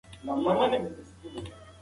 د ټولنیزو تجربو تحلیل بشپړ کړه.